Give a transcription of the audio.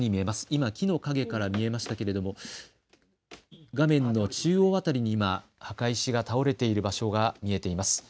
今、木の陰から見えましたけれども画面の中央辺りに今、墓石が倒れている場所が見えています。